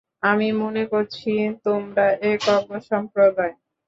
আমি মনে করছি, তোমরা এক অজ্ঞ সম্প্রদায়।